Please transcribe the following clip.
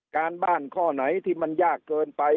การบ้านข้อไหนที่มันยากเกินไป